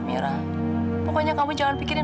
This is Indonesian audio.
menjadi dua kali lipat